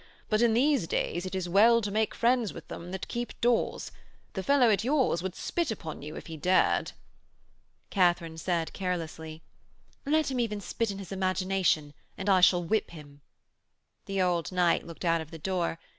But, in these days, it is well to make friends with them that keep doors. The fellow at yours would spit upon you if he dared.' Katharine said carelessly: 'Let him even spit in his imagination, and I shall whip him.' The old knight looked out of the door.